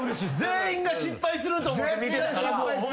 全員が失敗すると思って見てたから。